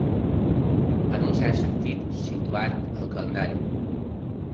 En un cert sentit, situat al calendari.